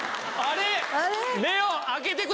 あれ？